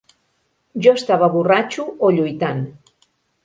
Jo estava borratxo o lluitant.